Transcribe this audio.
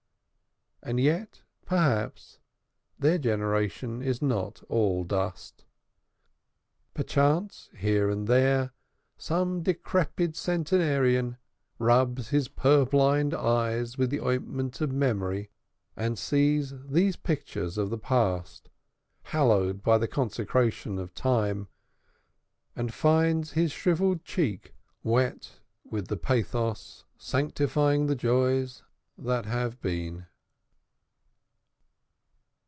And yet, perhaps, their generation is not all dust. Perchance, here and there, some decrepit centenarian rubs his purblind eyes with the ointment of memory, and sees these pictures of the past, hallowed by the consecration of time, and finds his shrivelled cheek wet with the pathos sanctifying the joys that have been.